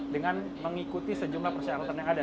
dengan mengikuti sejumlah persyaratan lainnya